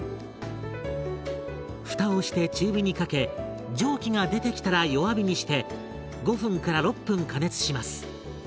蓋をして中火にかけ蒸気が出てきたら弱火にして５分６分加熱します。